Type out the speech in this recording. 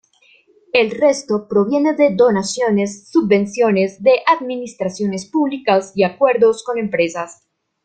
El resto proviene de donaciones, subvenciones de administraciones públicas y acuerdos con empresas.